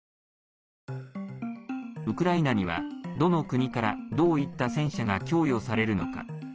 ウクライナには、どの国からどういった戦車が供与されるのか。